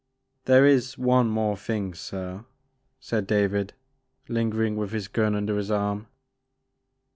There is one more thing sir,'* said David, lingering with his gun under his arm.